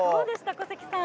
小関さん。